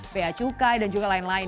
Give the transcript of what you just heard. bea cukai dan juga lain lain